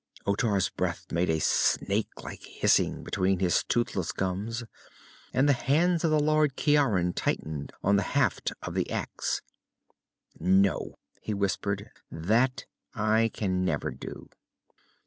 Otar's breath made a snakelike hissing between his toothless gums, and the hands of the Lord Ciaran tightened on the haft of the axe. "No!" he whispered. "That I can never do."